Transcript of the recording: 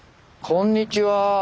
こんにちは。